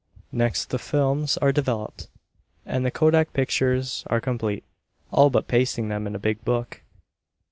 Next the films are developed, and the kodak pictures are complete, all but pasting them in a big book.